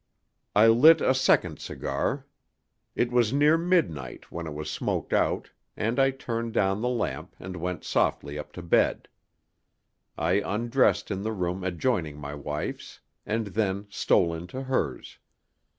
I lit a second cigar. It was near midnight when it was smoked out, and I turned down the lamp and went softly up to bed. I undressed in the room adjoining my wife's, and then stole into hers.